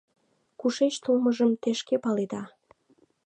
— Кушеч толмыжым те шке паледа.